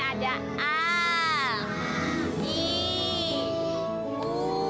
arang arang kita mulai ya